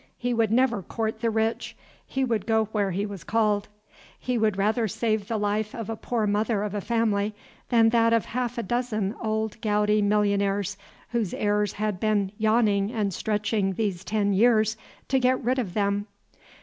He would never court the rich, he would go where he was called. He would rather save the life of a poor mother of a family than that of half a dozen old gouty millionaires whose heirs had been yawning and stretching these ten years to get rid of them.